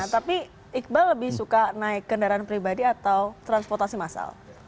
tapi iqbal lebih suka naik kendaraan pribadi atau transportasi massal